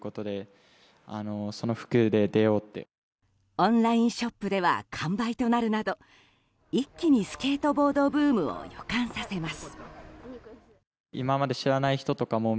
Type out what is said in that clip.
オンラインショップでは完売となるなど一気にスケートボードブームを予感させます。